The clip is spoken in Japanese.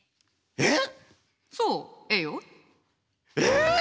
えっ！